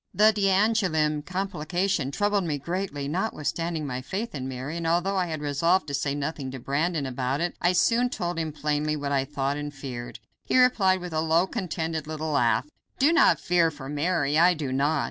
The d'Angouleme complication troubled me greatly, notwithstanding my faith in Mary, and although I had resolved to say nothing to Brandon about it, I soon told him plainly what I thought and feared. He replied with a low, contented little laugh. "Do not fear for Mary, I do not.